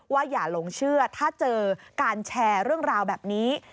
อย่าหลงเชื่อถ้าเจอการแชร์เรื่องราวแบบนี้